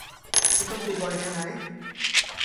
ฉันต้องพูดบ่อยแค่ไหน !